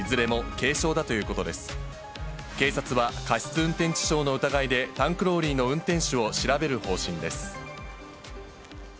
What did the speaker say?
運転致傷の疑いで、タンクローリーの運転手を調べる方針です。